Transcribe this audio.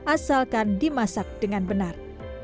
asalkan dimasak dengan benar